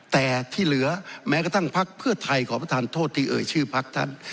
แต่ที่เหลือแม้กระทั่งพักเพื่อไทยขอประทานโทษที่เอ่ยชื่อพักท่าน